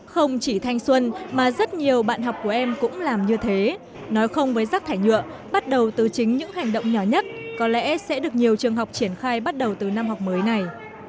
không chỉ thanh xuân mà rất nhiều bạn học của em cũng làm như thế nói không với rác thải nhựa bắt đầu từ chính những hành động nhỏ nhất có lẽ sẽ được nhiều trường học triển khai bắt đầu từ năm học mới này